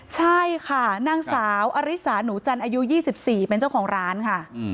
ใช่ค่ะนางสาวอริสาหนูจันทร์อายุ๒๔เป็นเจ้าของร้านค่ะ